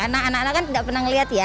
anak anak kan tidak pernah melihat ya